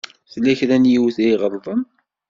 Tella kra n yiwet i iɣelḍen.